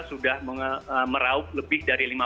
sudah meraup lebih dari